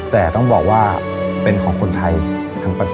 แต่ต้องบอกว่าเป็นของคนไทยทั้งประเทศ